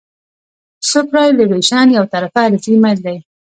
سوپرایلیویشن یو طرفه عرضي میل دی